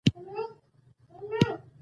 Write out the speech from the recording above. خاوره د افغانستان د هیوادوالو لپاره ویاړ دی.